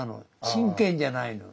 真剣じゃないの。